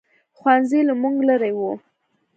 ښوؤنځی له موږ لرې ؤ